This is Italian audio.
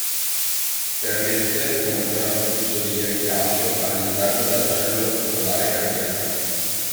Permette un maggior afflusso di ioni calcio all'interno della cellula muscolare cardiaca.